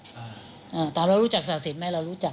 อ่าตามเรารู้จักศาสินไหมเรารู้จัก